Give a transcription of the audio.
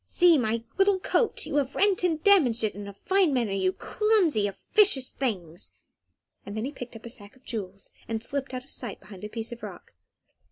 See my little coat; you have rent and damaged it in a fine manner, you clumsy, officious things!" Then he picked up a sack of jewels, and slipped out of sight behind a piece of rock.